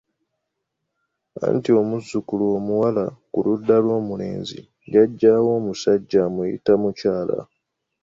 Anti omuzzukulu omuwala ku ludda lw’omulenzi jjajjaawe omusajja amuyita mukyala.